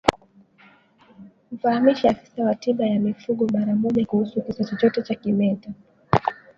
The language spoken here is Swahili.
Mfahamishe afisa wa tiba ya mifugo mara moja kuhusu kisa chochote cha kimeta